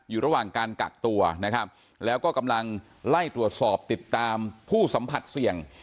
อยู่ระหว่างการกักตัวนะครับแล้วก็กำลังไล่ตรวจสอบติดตามผู้สัมผัสเสี่ยง